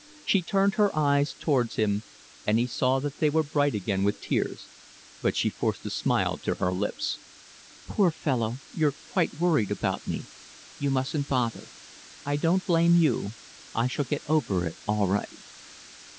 She turned her eyes towards him, and he saw that they were bright again with tears, but she forced a smile to her lips. "Poor fellow, you're quite worried about me. You mustn't bother. I don't blame you. I shall get over it all right."